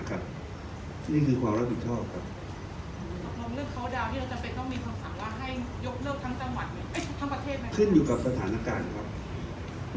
ครับนี่คือความรับผิดชอบครับครับเริ่มเขาดาวที่เราจำเป็นต้องมีคำสั่งว่าให้ยกเลิกทั้งจังหวัดมั้ย